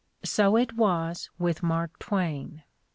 \ So it was with Mark Twain.